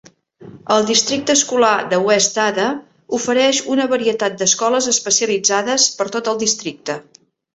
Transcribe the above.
El districte escolar de West Ada ofereix una varietat d'escoles especialitzades per tot el districte.